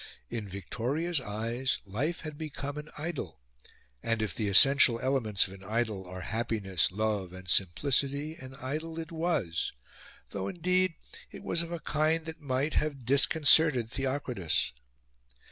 In Victoria's eyes, life had become an idyll, and, if the essential elements of an idyll are happiness, love and simplicity, an idyll it was; though, indeed, it was of a kind that might have disconcerted Theocritus.